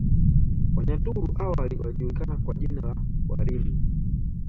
Wanyaturu awali walijulikana kwa jina la Warimi